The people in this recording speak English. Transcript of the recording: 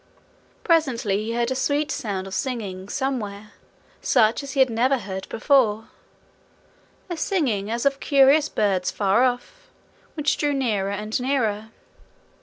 Presently he heard a sweet sound of singing somewhere, such as he had never heard before a singing as of curious birds far off, which drew nearer and nearer.